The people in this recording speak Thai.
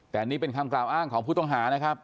แต่นี่เป็นคำกล่าวอ้างของผู้ต้องหานะครับ